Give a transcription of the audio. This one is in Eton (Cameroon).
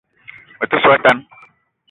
Me te so a tan